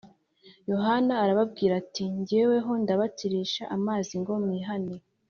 Yohana arababwira ati ‘‘Jyeweho ndababatirisha amazi ngo mwihane